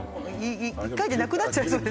１回でなくなっちゃいそうです